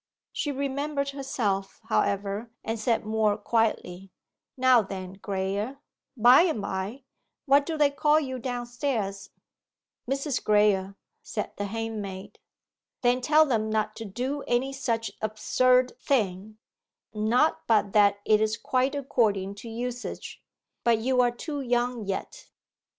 She remembered herself, however, and said more quietly, 'Now then, Graye By the bye, what do they call you downstairs?' 'Mrs. Graye,' said the handmaid. 'Then tell them not to do any such absurd thing not but that it is quite according to usage; but you are too young yet.